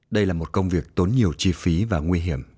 đây là một công việc tốn nhiều chi phí và nguy hiểm